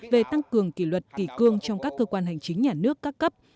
về tăng cường kỷ luật kỳ cương trong các cơ quan hành chính nhà nước các cấp